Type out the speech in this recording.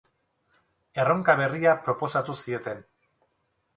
Erronka berria proposatu zieten.